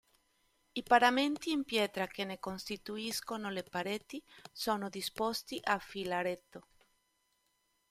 I paramenti in pietra che ne costituiscono le pareti sono disposti a filaretto.